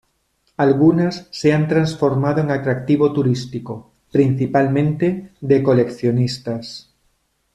Algunas se han transformado en atractivo turístico, principalmente de coleccionistas.